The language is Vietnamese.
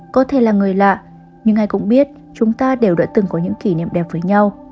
có thể là người lạ nhưng ai cũng biết chúng ta đều đã từng có những kỷ niệm đẹp với nhau